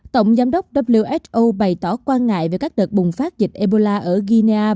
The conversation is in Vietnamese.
tổng giám đốc who bày tỏ quan ngại về các đợt bùng phát dịch ebola ở guinea và congo